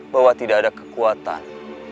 bahwa tidak ada kekuatan